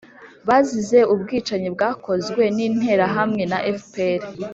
bazize ubwicanyi bwakozwe n'interahamwe na fpr.